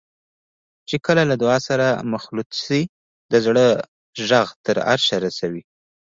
چې کله له دعا سره مخلوط شي د زړه غږ تر عرشه رسوي.